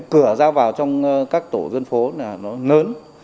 cửa ra vào trong các tổ dân phố là nó lớn